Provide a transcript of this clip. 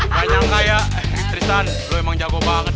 banyak kayak tristan lu emang jago banget